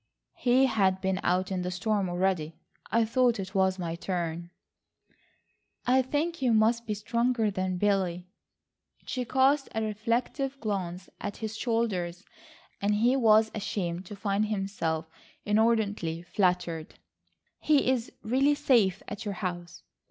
"He had been out in the storm already. I thought it was my turn." "I think you must be stronger than Billy." She cast a reflective glance at his shoulders, and he was ashamed to find himself inordinately flattered. "He is really safe at your house?"